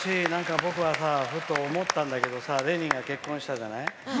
僕はさ、思ったんだけどれにが結婚したじゃない。